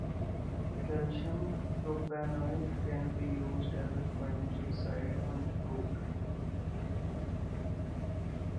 Calcium propanoate can be used as a fungicide on fruit.